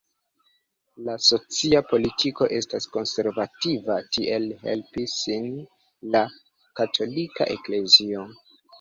La socia politiko estas konservativa, tiele helpis ŝin la Katolika eklezio.